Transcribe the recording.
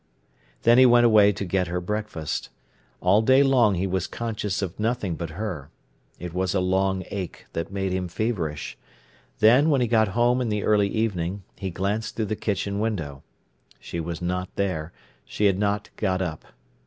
Then he went away to get her breakfast. All day long he was conscious of nothing but her. It was a long ache that made him feverish. Then, when he got home in the early evening, he glanced through the kitchen window. She was not there; she had not got up.